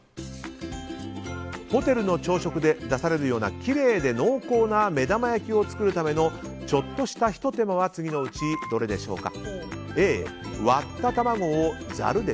ホテルの朝食で出されるようなきれいで濃厚な目玉焼きを作るためのちょっとしたひと手間は次のうちどれでしょうか。